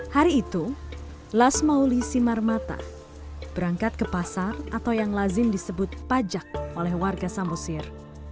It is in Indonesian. hari itu lasmauli simarmata berangkat ke pasar atau yang lazim disebut pajak oleh warga sambosir